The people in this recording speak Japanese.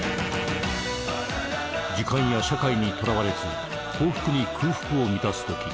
時間や社会にとらわれず幸福に空腹を満たすとき